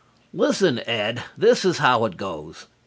"Listen, Ed. This is how it goes.